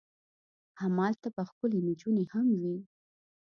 همالته به ښکلې نجونې هم وي.